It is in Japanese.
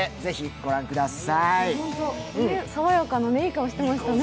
ホント爽やかないい顔してましたね。